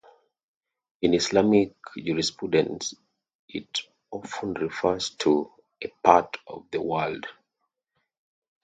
In Islamic jurisprudence it often refers to a part of the world.